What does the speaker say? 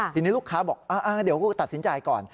ทีนี้ลูกค้าบอกเดี๋ยวกูตัดสินใจก่อน